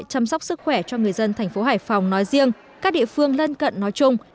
chăm sóc sức khỏe cho người dân thành phố hải phòng nói riêng các địa phương lân cận nói chung